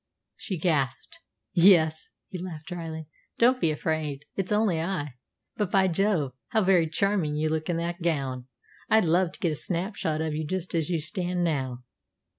she gasped. "Yes," he laughed dryly. "Don't be afraid. It's only I. But, by Jove! how very charming you look in that gown! I'd love to get a snapshot of you just as you stand now."